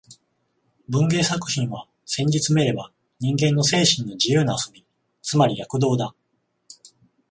文芸作品は、せんじつめれば人間精神の自由な遊び、つまり躍動だ